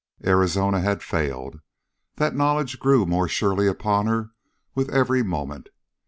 Arizona had failed! That knowledge grew more surely upon her with every moment.